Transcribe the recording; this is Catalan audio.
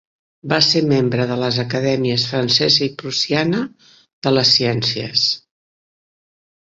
Va ser membre de les acadèmies francesa i prussiana de les ciències.